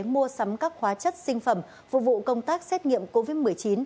mua sắm các hóa chất sinh phẩm phục vụ công tác xét nghiệm covid một mươi chín